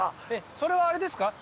それはあれですか？